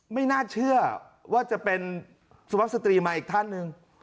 ไม่น่าเชื่อว่าจะเป็นสุวัสสตรีมาอีกท่านหนึ่ง